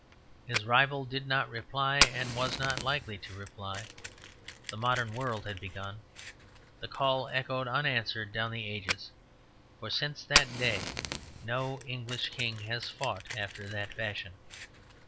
His rival did not reply, and was not likely to reply. The modern world had begun. The call echoed unanswered down the ages; for since that day no English king has fought after that fashion.